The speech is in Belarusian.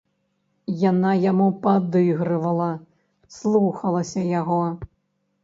Яна яму падыгрывала, слухалася яго.